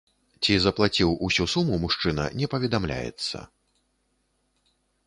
Ці заплаціў усю суму мужчына, не паведамляецца.